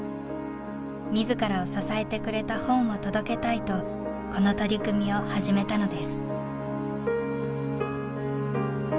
自らを支えてくれた本を届けたいとこの取り組みを始めたのです。